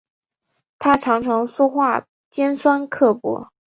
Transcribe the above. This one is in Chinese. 她常常说话尖酸刻薄